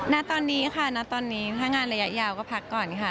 ณตอนนี้ค่ะณตอนนี้ถ้างานระยะยาวก็พักก่อนค่ะ